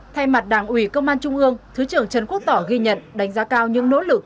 thay mặt đảng ủy công an trung ương thứ trưởng trần quốc tỏ ghi nhận đánh giá cao những nỗ lực